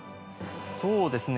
そうですね